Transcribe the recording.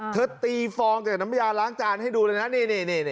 ตีฟองจากน้ำยาล้างจานให้ดูเลยนะนี่